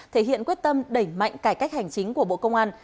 thể hiện quyết tâm đẩy mạnh cải cách hành chính của bộ công an